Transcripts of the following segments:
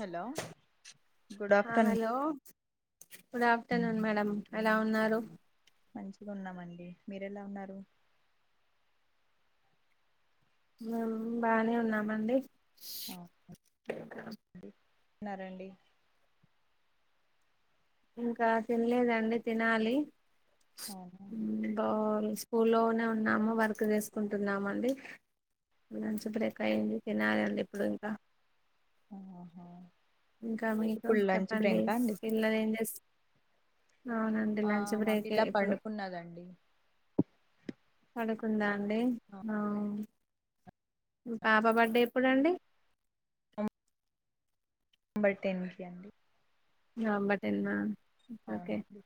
Hello good ఆ afternoon hello good afternoon అండి madam ఎలా ఉన్నారు మంచిగా ఉన్నామండి మీరు ఎలా ఉన్నారు మేం బానే ఉన్నామండి అవునా [unintelligible] ఉన్నారండి ఇంకా తినలేదండి తినాలి అవునండి ఆ స్కూల్లోనే ఉన్నాము వర్క్ చేసుకుంటున్నామండి లంచ్ బ్రేక్ అయ్యంది తినాలండి ఇప్పుడు ఇంకా ఆహా ఇంకా మీకు ఇప్పుడు లంచ్ చెప్పండి బ్రేకా అండి పిల్లలు ఏం చేస్ అవునండి ఆ లంచ్ మా బ్రేకే పిల్ల ఇప్పుడు పండుకున్నదండి పడుకుందా అండి ఆ మీ పాప బర్త్డే ఎప్పుడండి బర్ టెన్ కి అండి నవంబర్ టెన్ ఆ ఒకే అవునండి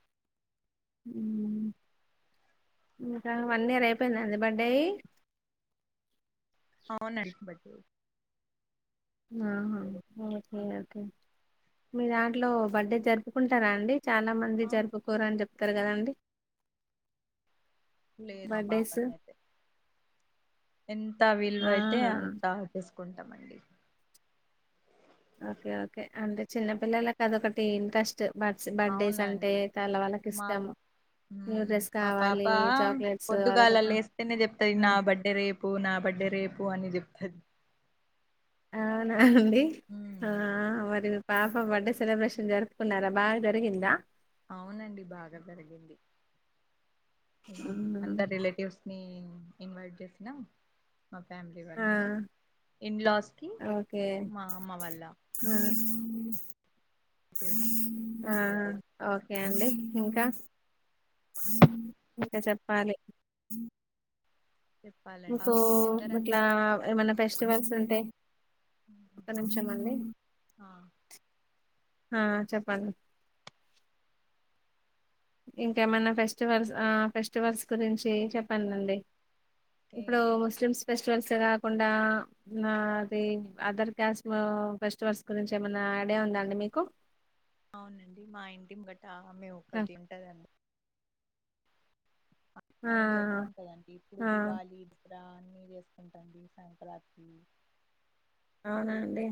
ఇంకా వన్ ఇయర్ అయిపోయిందా అండి బర్త్డే అయి అవునండి బర్త్డే ఆహా ఒకే ఒకే మీ దాంట్లో బర్త్డే జరుపుకుంటారా అండి చాలా మంది అవును జరుపుకోరు అని చెప్తారు కదండి లే మా బర్త్డేస్ పాపకైతే ఎంత విలువయితే ఆహా అంతా ఆ చేసుకుంటామండి ఓకే ఓకే అంటే చిన్నపిల్లలకి అదొకటి ఇంట్రెస్ట్ ట్ బర్త్స్ బర్త్డేస్ అంటే అవునండి తల్లవాళ్ళకి మా ఇష్టాము మా పాప చాక్లెట్స్ అదొక పొద్దుగాలా లేస్తేనే చెప్తది నా బడ్ రేపు నా బడ్డే రేపు అని చెప్తది అవునా అండి ఆ మ్మ్ మరి పాప బర్త్డే సెలబ్రేషన్ జరుపుకున్నారా బాగా జరిగిందా అవునండి బాగా జరిగింది ఉమ్. అందర్ రిలేటివ్స్ నీ ఇన్వైట్ చేసిన మా ఫ్యామిలీ ఆ వల్ల ఇన్లాస్కి ఓకే మా అమ్మ వల్ల ఆ పిల్లం ఇగ ఆహ్ ఓకే చేసుకున్నామండి అండి ఇంకా ఇంకా చెప్పాలి చెప్పాలండి మీకు మీకెందరండి ఇట్లా ఏమన్నా ఫెస్టివల్స్ ఉంటే ఒక్క నిమిషం అండి ఆ ఆ చెప్పండి ఇంకేమన్నా ఫెస్టివల్స్ ఆ ఫెస్టివల్స్ గురించి చెప్పండండి తే ఇప్పుడు ముస్లిమ్స్ ఫెస్టివల్స్ కాకుండా నా అది అదర్ కాస్ట్ ఫెస్టివల్స్ గురించి ఏమైనా ఐడియా ఉందా అండి మీకు అవునండి మా ఇంటి ముంగటా ఆమె ఒక్కటి తింటదండి ఆ ఆమె జరుపుకుంటదంటడి ఇప్పుడు ఆ దివాళీ దసరా అన్ని చేసుకుంటదండి సంక్రాంతి అవునా అండి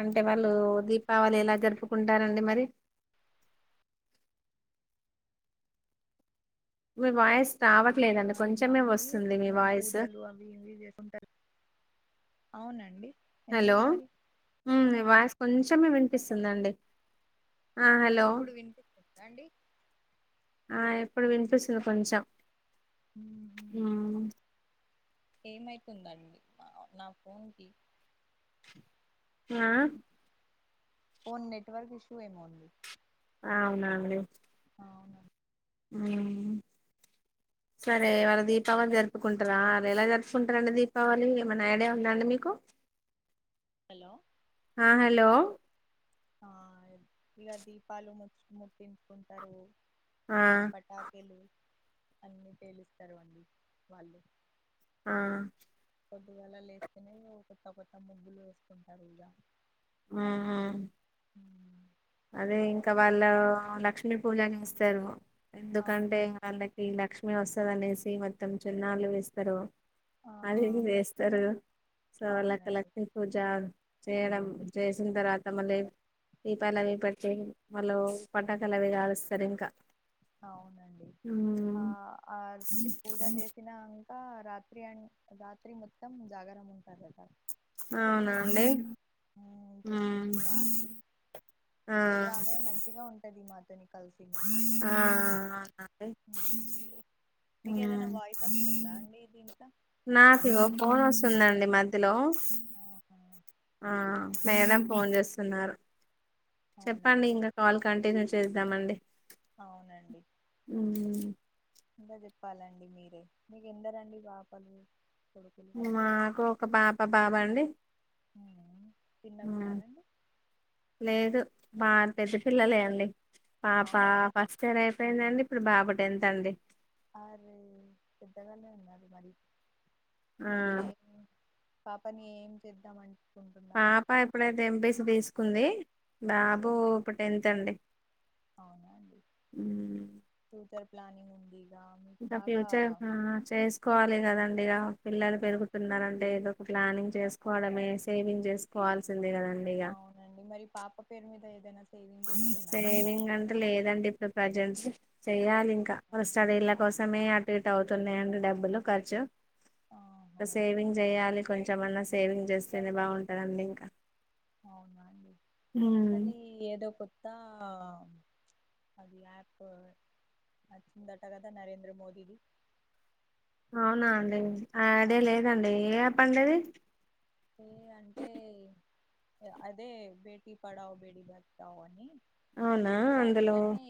అంటే వాళ్ళు దీపావళి ఎలా జరుపుకుంటారండి మరి మీ వాయిస్ రవాట్ ఆ ఇ మాది పూజలు అవి ఇవి చేసుంటారు అవునండి హలో ఎందుకు మరి హు మీ వాయిస్ కొంచెమే వినిపిస్తుందండి ఆ హలో ఇప్పుడు వినిపిస్తుందా అండి ఆ ఇప్పుడు వినిపిస్తుంది కొంచెం హ్మ్ ఆ ఏమైతుందండి మా నా ఫోన్ కి ఆ ఓ నెట్వర్క్ ఇష్యూ ఏమో అవునా అండి అవును హ్మ్ సరే ఇవాళ దీపావళి జరుపుకుంటరా ఎలా జరుపుకుంటరు అండి దీపావళి ఏమైనా ఐడియా ఉందా అండి మీకు హలో ఆ హలో ఆ ఇరా దీపాలు ము ముట్టించుకుంటారు ఆ పట్ టాకీలు అన్నీ పేలుస్తారు అండి వాళ్ళు ఆ పొద్దుగాల లేస్తేనే ఒకొత్త కొత్త ముగ్గులు వేసుకుంటారు ఇగా ఆహా మ్మ్ అదే ఇంకా వాళ్ళు లక్ష్మీ పూజని చేస్తరు ఎందుకంటే అవునండి వాళ్ళ ఈ లక్ష్మీ వస్సది అనేసి మొత్తం తిరునాళ్లు వేస్తరు ఆ అది ఇది వేస్తరు సవాలెక్క అవునండి లక్కీ పూజ చేయడం చేసింతరువాత మళ్లీ ప్పయలు అవి పెట్టి మళ్ళు పటాకాయలు అవి కాలుస్తారు ఇంకా అవునండి ఆ ఆ పూజ చేసినా ఆ రాత్రి అం రాత్రి మొత్తం జాగారం ఉంటాది అక్కడ అవునా అండి మ్మ్ చెప్పింది మా ఆంటీ ఆ ఇగా ఉంటది మా తోని కలిసి మెలిసి అవును అండి మీకు ఏదైనా వాయిస్ వస్తుందా అండి దీంట్లో నాకు ఇగ ఫోన్ వస్తుందండి మధ్యలో ఆహా ఆ మేడం ఫోన్ చేస్సున్నారు చెప్పండి అవునండి ఇంగా కాల్ కంటిన్యూ చేద్దామండి అవునండి ఉమ్ ఇంగా చెప్పాలండి మీరే మీకు ఎందరండి పాపలు కొడుకులు మాకు ఒక పాప బాబు అండి ఉమ్. చిన్నగా ఆ ఉన్నారండి లేదు బా పెద్ద పిల్లలే అండి పాప అవునా ఫస్ట్ ఇయర్ అయిపోయిందండి ఇప్పుడు బాబు టెన్త్ అండి అరే పెద్దగానే ఉన్నారు మరి ఆ మరేం పాపని ఏం చేద్దామని పాప ఇప్పుడైతే ఎంపీసీ తీసుకుంది ఉ బాబు ఇప్పుడు టెన్త్ అండి అవునా అండి మ్మ్ ఫ్యూచర్ ప్లానింగ్ ఉంది ఇగ మీకు ఇంకా బాగా ఫ్యూచర్ హా చేసుకోవాలి కదండి ఇగ పిల్లలు ఆ ఈ పెరుగుతున్నారంటే ఏదో ప్లానింగ్ చేసుకోవడమే సేవింగ్ చేసుకోవాల్సిందే కదండి ఇగ అండి మరి పాప పేరు మీద ఏదైనా సేవింగ్ చేసుకున్నారా అండి సేవింగ్ అంటే లేదండి ఇప్పుడు ప్రెజెంట్స్ చెయ్యాలి ఇంకా ఆహా వాళ్ళ స్టడీల కోసమే అటు ఇటు అవుతున్నాయండి డబ్బులు ఖర్చు ఆహా! ఇకా సేవింగ్ చేయాలి కొంచమన్నా సేవింగ్ చేస్తేనే బాగుంటాదాండి ఇంకా అవునా అండి మ్మ్ అది ఏదో కొత్త అది యాప్ వచ్చిందట కదా నరేంద్ర మోదీది అవునా అండి ఆ ఐడియా లేదండి ఏ ఆప్ండది అ అంటే అదే బేటీ పడావు బేటీ బతావు అని అవునా అందులో దాంట్లోనే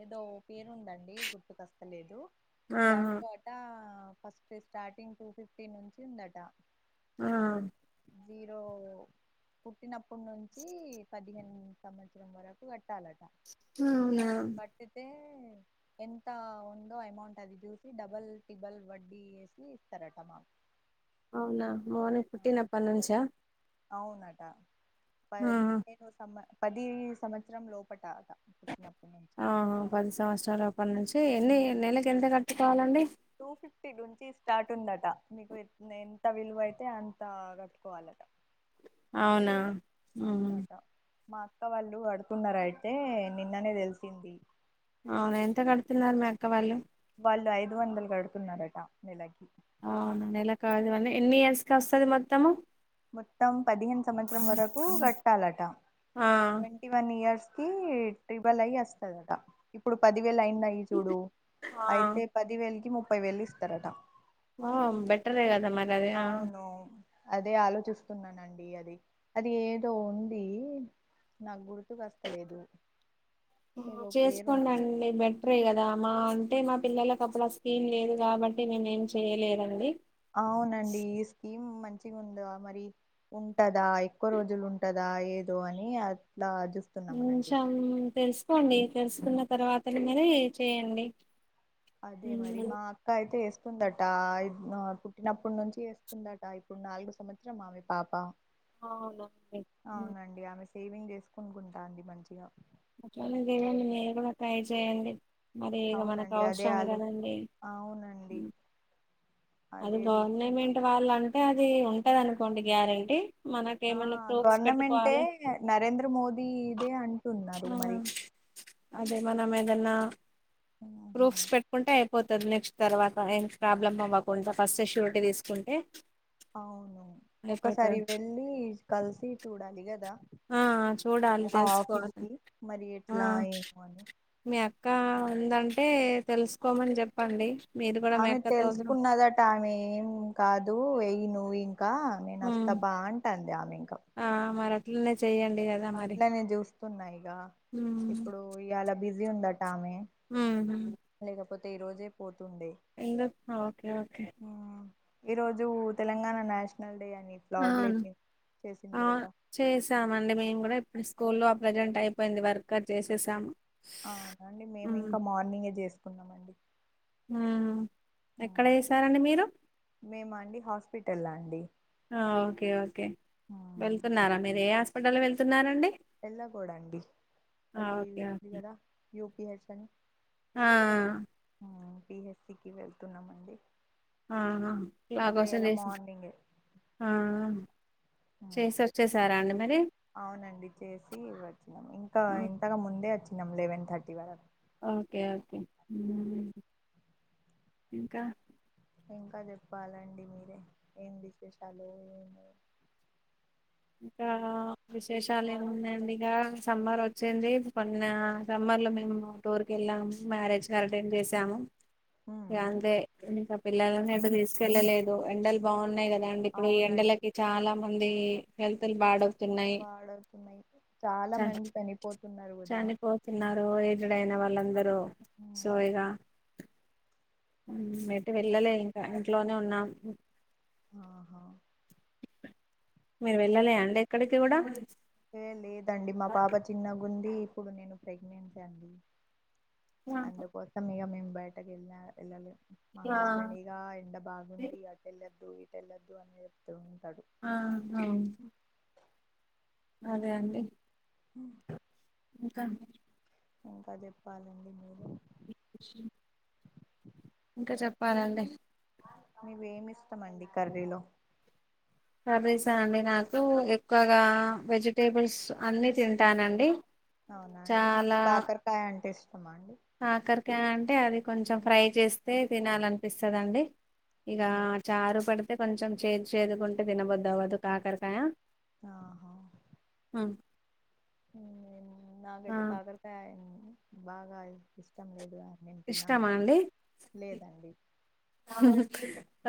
ఏదో పేరు ఉందండి గుట్తుకస్తలేదు ఆహా దాంట్ అ ఫస్ట్ స్టార్టింగ్ టూ ఫిఫ్టీ నుంచి ఉందట ఆ జీరో పుట్టినప్పటి నుంచి పదిహేన్ సంవత్సరం వరకు కట్టాలట అవునా కట్టితే ఎంత ఉందో అమౌంట్ అది చూసి డబల్ ట్రిబల్ వడ్డీ వేసి ఇస్తారట మా అవునా మార్నింగ్ పుట్టినప్ప నుంచా అవునట ఆహా పదిహేను సమ్మ పది సంవత్సరం లోపట అట పుట్టినప్పటి నుంచి ఆ పది సంవత్సరాల అప్పటి నుంచి ఎన్ని నెలకి ఎంత కట్టుకోవాలండి. టూ ఫిఫ్టీ నుంచి స్టార్ట్ ఉందట మీకు ఎంత విలువ అయితే అంత కట్టుకోవాలట అవునా ఉహు అవునట మా అక్క వాళ్ళు కడుతున్నారు అయితే నిన్ననే తెలిసింది అవున ఎంత కడుతున్నారు మీ అక్క వాళ్ళు వాళ్ళు ఐదు వందలు గడుతున్నారట నెలకి అవునండి నెల కాదు గానీ ఎన్ని ఇయర్స్కిి వస్తది మొత్తము మొత్తం పదిహేను సంవత్సరం వరకు కట్టాలట ఆ ట్వంటీ వన్ ఇయర్స్ కి ట్రిబల్ అయి వస్తదట ఇప్పుడు పదివేలు అయినయ్ చూడు ఆ అయితే పది వేలుకి ముప్పై వేలు ఇస్తారట ఆ బెటరే కదా మర్ అవును అదే ఆలోచిస్తున్నానండి అది అది ఏదో ఉంది నాకు గుర్తుకస్తలేదు ఏదో పేరు ఉంది అరే కదా మా అంటే మా పిల్లలలకు అప్పుడు ఆ స్కీమ్ లేదు కాబట్టి మేము ఏం చెయలేదండి అవునండి ఈ స్కీమ్ మంచిగా ఉందిగా మరి ఉంటదా ఎక్కువ రోజులు ఉంటదా ఏదో అని అట్లా చూస్తున్నామనండి కొంచెం తెలుసుకోండి తెలుసుకున్న తర్వాత గానే చేయండి అదే మరి మా అక్క అయితే వేస్తుందట ఇప్ ఆ పుట్టినప్పుటి నుంచి వేస్తుందట ఇప్పుడు నాలుగు సంవత్సరం ఆమ్ పాప అవునండి అవునండి ఆమె సేవింగ్ చేసుకునుకుంటాంది మంచిగా అట్లానే చేయండి మీరు కూడా ట్రై చేయండి మరి ఇక మనకు అవునండి అదే అవసరం ఆలో కదండి అవునండి అది అదే చూస్తున్నాం గవర్నమెట్ వాళ్ళ అంటే అది ఉంటది అనుకోండి గ్యారెంటీ ఆ మనకేమన్నా ప్రూఫ్స్ గవర్నమెంటే పెట్టుకోవాలి నరేంద్ర మోదీదే అంటున్నారు ఆ, మరి అదే మనం ఏదన్నా ఊహు. ప్రూఫ్స్ పెట్టుకుంటే అయిపో పోతర్ నెక్స్ట్ తర్వాత ఏం ప్రాబ్లమ్ అవ్వకుండా ఫస్ట్ ఎ ష్యూరిటీ తీసుకుంటే అవును ఒకసారి అయిపోతది వెళ్ళి కలిసి చూడాలి గదా ఆ చూడాలి ఆ తెలుసుకోవాలి ఆఫీసు మరి ఆ ఎట్లా ఏమోని మీ అక్క ఉందంటే తెలుసుకోమన్ జెప్పండి ఆమె తెలుసుకున్నదట్ టామేమ్ కాదు ఎయ్యి నువ్వింకా ఉమ్ నేనస్తపా అంటాంది ఆమింకా ఆ మరట్లనే చేయండి గ అట్లనే జూస్తున్నా ఇగా ఉమ్ ఇప్పుడు ఇయాల బిజీ ఉందట్ ఆమె ఊ హు లేకపోతే ఈ రోజే పోతుండే ఇంగ హ ఓకే ఓకే ఉమ్ ఈరోజు తెలంగాణ నేషనల్ డే అనీ అవును లాగులేపి ఆ చేసిండ్రు గదా చేసామండి మేము గూడ ఇప్పుడు స్కూల్లో అప్రజెంట్ అయిపోయింది వర్క్ అ చేసేసాము అవునాండి మేము ఉమ్ ఇంకా మార్నింగే జేసుకున్నామండి ఉహ్ ఎక్కడ చేసారండి మీరు మేమ అండి హాస్పిటల్ అండి అ ఓకే ఓకే వెళ్తున్నారా మీరు ఏ హాస్పిటల్ వెళ్తున్నారండి ఎల్లా గూడాండి ఆ, అది ఓకే ఉంది ఓకే కదా యూపీహెచ్ అని ఆ ఉ పిఎస్సికిి వెళ్తున్నామండి ఆహ అయితే లాగోసె ఇలా చేసి మార్నింగే ఆ చేసి ఊహ్ వచ్చేసారా అండి మరి అవునండి చేసి వచ్చినం ఇంకా ఆ, తగా ముందే ఒచ్చినం లెవెన్ థర్టీ వర ఓకే ఓకే ఊమ్ ఇంకా ఇంకా జెప్పాలండి మీరే ఏం విశేషాలు ఏమి ఇంకా విశేష్ చాల్ ఏమున్నాయండిగా సమ్మర్ ఒచ్చింది కొన్న సమ్మర్ లో మేము టూర్ కెళ్ళామ్ మ్యారేజ్ అరటెండ్ చేసాము ఉమ్ యాన్లే ఇంత పిల్లలన్ ఏడ తీసుకెళ్ళలేదు ఎండల్ బావున్నాయ్ కదాండ్ ఇప్పుడు ఈ అవునండి ఎండలకి చాలా మంది హెల్తులు బాడ బాడవుతున్నాయి చాలా మంది తనిపోతున్నారు గూడా తిన్నారు ఏజ్ డయిన వాళ్ళందరూ సో ఇగా ఉమ్మ్ ఎటు వెళ్ళలే ఇంకా ఇంట్లోనే ఉన్నాం ఆహా మీరు వెళ్ళలే అతె అండి ఎక్కడికి కూడా ఏ లేదండి మా పాపచ్ చిన్నగుంది ఇప్పుడు నేను ప్రెగ్నెన్సీ అండి అండుకోతం ఇగ మేమ్ బయటకెల్నా ఎళ్ళలె మా ఆ హస్బెండి యా ఎండ బాగుంది అటెళ్ళద్దు ఇటెళ్ళొద్దు అన్ చెప్తూ ఉంటాడు ఆ హం అదే అండి ఉ ఇంకాందె ఇంకా జెప్పాలండి మీరు ఇంక చెప్పాలండి మీవేం ఇస్తమండి కర్రీలో కర్రీసా అండి నాకు ఎక్కువగా వెజిటేబుల్స్ అన్నీ తింటానండి అవునా అండి చాలా మీకు కాకరకాయ అంటే ఇష్టమా అండి కాకరకాయ అంటే అది కొంచెం ఫ్రై చేస్తే తినాలనిపిస్తదండి ఇక అవునా చారు పడితే కొంచెం చేదు చేదుగుంటే తినబదువ్వదు కాకరకాయ ఆహా అ నాకైతే కాకరకాయ బాగా ఇష్టం లేదు అది నేను తినను ఇష్టమా అది అండి లేదండి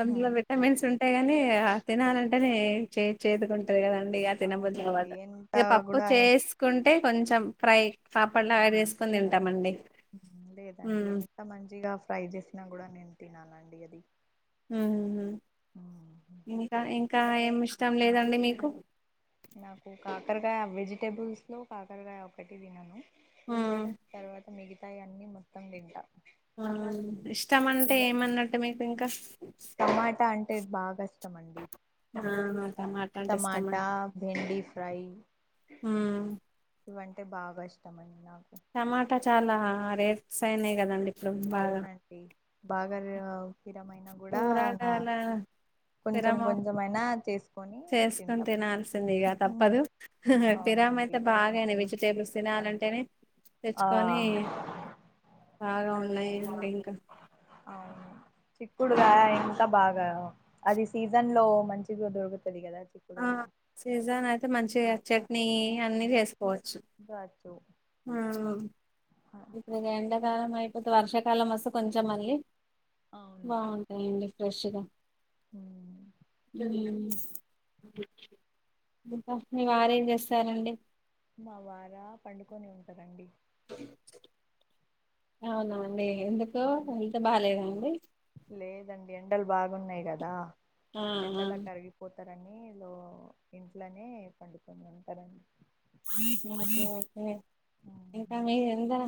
అందులో హ్మ్. విటమిన్స్ ఉంటాయి గాని ఆ తినాలంటేనే చే చేదుకుంటారు కదండి ఇక అవునండి తినబుద్దవ్వదు ఎంత ఇక పప్పు కూడా ఎన్- చేస్ క్కుంటే కొంచెం ఫ్రై పాపడలో యాడ్ చేసుకొని తింటామండి లేదండి ఉమ్ ఎంత మంచిగా ఫ్రై చేసినా కూడా నేను తిననండి అది ఉమ్ హ్మ్. ఇంకా ఇంకా ఏమి ఇష్టం లేదండి మీకు నాకు కాకరకాయ వెజిటేబుల్స్లో కాకరకాయ ఒకటి తినను ఉమ్ తర్వా మిగతాయి అన్ని మొత్తం తింటాం ఇష్టం అంటే ఏమన్నట్టు మీకు ఇంకా టమాటా అంటే బాగా ఇష్టం అండి ఆ టమాట అంటే ఇష్టమా టమాటా బెండి ఫ్రై ఆ ఇవంటే బాగా ఇష్టమండి నాకు టమాటా చాలా రేట్స్ అయినాయి కదండి ఇప్పుడు బాగా అవునండి బాగా పిరమైన కూరగాయల కొంచెం పిరము కొంచెమైనా చేసుకొని [inaudible] చేసుకొని తింటాం తినాల్సింది ఇక ఉమ్, తప్పదు ఫిరామ్ అయితే అవునండి బాగానే వెజిటేబుల్స్ తినాలంటేనే ఆ తెచ్చుకొని బాగా ఉన్నాయి ఇంకా అవును చిక్కుడుగాయ ఎంత బాగా అది సీజన్ లో మంచిగా దొరుకుతది కదా క్కుడు ఆ గా సీజన్ అయితే మంచిగా చట్నీ అన్ని చేసుకోవచ్చు బచ్చు ఉమ్ ఇప్పుడు ఎండాకాలం అయిపోతే వర్షాకాలం వస్తే కొంచెం మళ్ళీ అవును బాగుంటాయండి ఫ్రెష్గా హ మ్మ్ ఇంకా మీ వారేం చేస్తారండి మావార పండుకొని ఉంటరండి అవున అండి ఎందుకు హెల్త్ బాలేదా అండి లేదండి ఎండలు బాగున్నాయి కదా ఆ ఆ ఎండలా కరిగి పోతారని లో ఇంట్లోనే పండుకుని ఉంటారండి [unintelligible] ఇంకా ఆహా మీ ఎంద